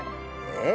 ええ？